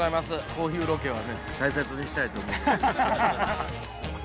こういうロケはね大切にしたいと思います